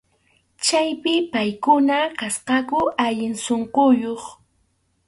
Chaypi paykuna kasqaku allin sunquyuq.